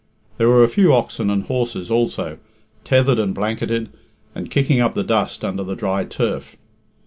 There were a few oxen and horses also, tethered and lanketted, and kicking up the dust under the dry turf.